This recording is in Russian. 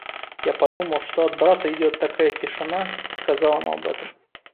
Я подумал, что от брата идет такая тишина, и сказал ему об этом.